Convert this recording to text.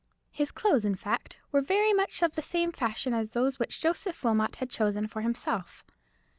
His clothes, in fact, were very much of the same fashion as those which Joseph Wilmot had chosen for himself.